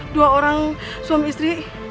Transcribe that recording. dua orang suami istri